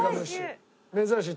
珍しい。